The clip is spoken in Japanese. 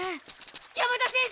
山田先生！